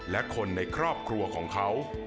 และคนในครอบครัวของเขา